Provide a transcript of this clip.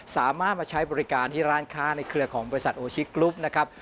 สามารถมาใช้บริการที่ร้านค้าในเครือของบริษัทโอชิกรุ๊ปนะครับ